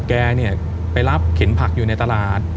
แกเนี่ยไปรับเข็นผักอยู่ในตลาด